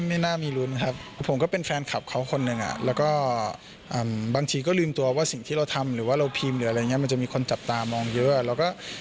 ไม่น่ามีลุ้นครับผมก็เป็นแฟนคลับเขาคนหนึ่งอ่ะแล้วก็บางทีก็ลืมตัวว่าสิ่งที่เราทำหรือว่าเราพิมพ์หรืออะไรอย่างนี้มันจะมีคนจับตามองเยอะแล้วก็